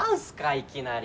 いきなり。